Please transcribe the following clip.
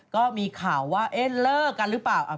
ก็มีข่าวว่าเอ๊ะเลิกกันล่ะป่าว